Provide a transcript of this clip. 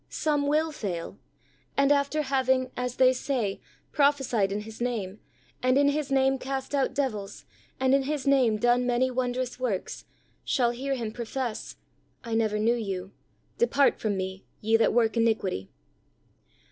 — some will fail, and after having, as they say, prophesied in His name, and in His name cast out devils, and in His name done many wondrous works, shall hear Him profess, "I never knew you; depart from Me, ye that work iniquity."